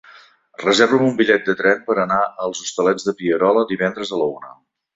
Reserva'm un bitllet de tren per anar als Hostalets de Pierola divendres a la una.